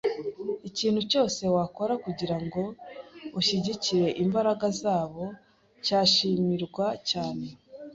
Ikintu cyose wakora kugirango ushyigikire imbaraga zabo cyashimirwa cyane